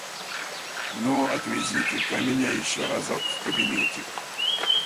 Ну, отвезите-ка меня еще разок в кабинетик.